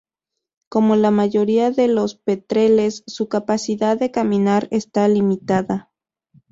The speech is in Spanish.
Como la mayoría de los petreles, su capacidad de caminar esta limitada.